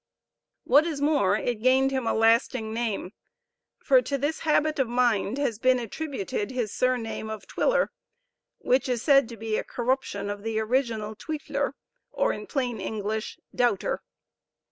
What is more, it gained him a lasting name, for to this habit of the mind has been attributed his surname of Twiller, which is said to be a corruption of the original Twijfler, or, in plain English, Doubter.